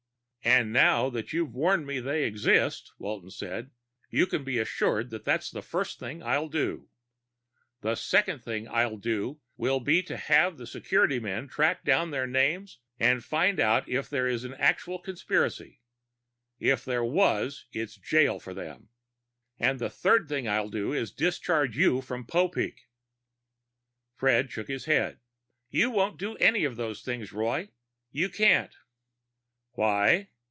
"And now that you've warned me they exist," Walton said, "you can be assured that that's the first thing I'll do. The second thing I'll do will be to have the security men track down their names and find out if there was an actual conspiracy. If there was, it's jail for them. And the third thing I'll do is discharge you from Popeek." Fred shook his head. "You won't do any of those things, Roy. You can't." "Why?"